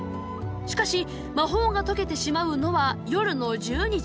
しかし魔法が解けてしまうのは夜の１２時。